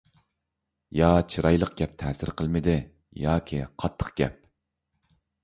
يا چىرايلىق گەپ تەسىر قىلمىدى، ياكى قاتتىق گەپ.